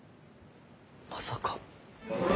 まさか。